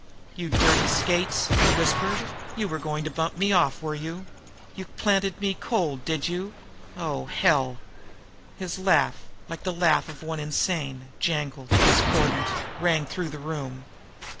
"You dirty skates!" he whispered. "You were going to bump me off, were you? You planted me cold, did you? Oh, hell!" His laugh, like the laugh of one insane, jangling, discordant, rang through the room.